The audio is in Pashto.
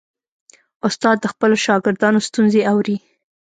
استاد د خپلو شاګردانو ستونزې اوري.